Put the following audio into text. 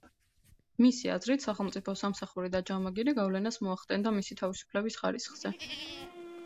მისი აზრით, სახელმწიფო სამსახური და ჯამაგირი გავლენას მოახდენდა მისი თავისუფლების ხარისხზე.